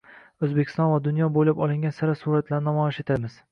O‘zbekiston va dunyo bo‘ylab olingan sara suratlarni namoyish etamiz